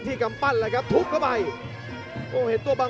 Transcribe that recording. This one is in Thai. ชัมเปียร์ชาเลน์